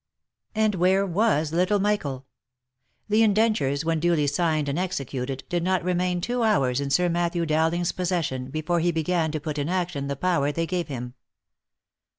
And where was little Michael ? The indentures, when duly signed and executed, did not remain two hours in Sir Matthew Dowling's possession before he began to put in action the power they gave him.